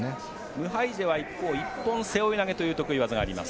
ムハイジェは１本背負い投げという得意技があります。